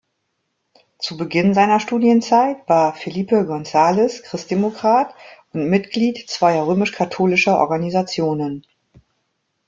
Zu Beginn seiner Studienzeit war Felipe González Christdemokrat und Mitglied zweier römisch-katholischer Organisationen.